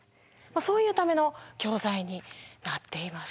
そういうための教材になっています。